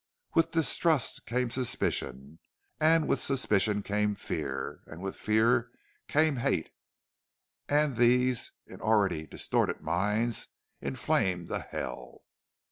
With distrust came suspicion and with suspicion came fear, and with fear came hate and these, in already distorted minds, inflamed a hell.